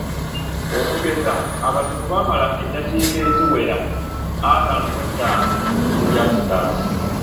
Okugeza, abatemu baamala eddakiika eziwera ataano mu ttaano mu bitundu bya Kisaasi.